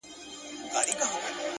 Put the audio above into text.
هره لاسته راوړنه کوچنی پیل لري